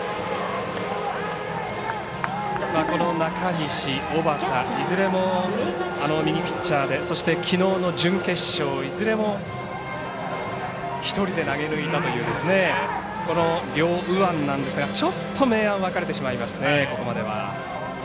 この中西、小畠いずれも右ピッチャーでそして、きのうの準決勝いずれも１人で投げ抜いたというこの両右腕なんですがちょっと明暗が分かれてしまいましたね、これは。